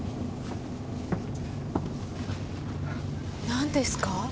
何ですか？